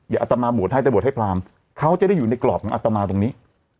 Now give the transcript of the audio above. อัตมาบวชให้แต่บวชให้พรามเขาจะได้อยู่ในกรอบของอัตมาตรงนี้